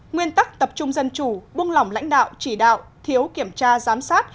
nguyên tắc tập trung dân chủ buông lỏng lãnh đạo chỉ đạo thiếu kiểm tra giám sát